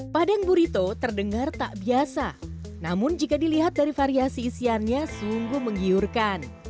padang burito terdengar tak biasa namun jika dilihat dari variasi isiannya sungguh menggiurkan